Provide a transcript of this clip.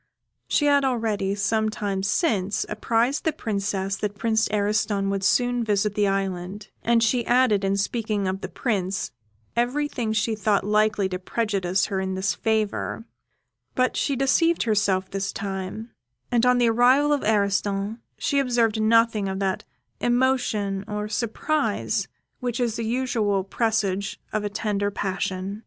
She had already, some time since, apprised the Princess that Prince Ariston would soon visit the island, and she had added, in speaking of the Prince, everything that she thought likely to prejudice her in his favour; but she deceived herself this time; and on the arrival of Ariston, she observed nothing of that emotion or surprise which is the usual presage of a tender passion.